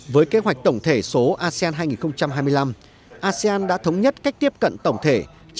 với kế hoạch tổng thể số asean hai nghìn hai mươi năm asean đã thống nhất cách tiếp cận tổng thể